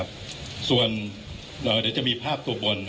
คุณผู้ชมไปฟังผู้ว่ารัฐกาลจังหวัดเชียงรายแถลงตอนนี้ค่ะ